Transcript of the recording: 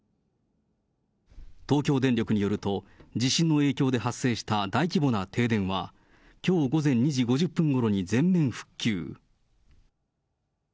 東京電力によると、地震の影響で発生した大規模な停電は、きょう午前２時５０分ごろに全面復旧。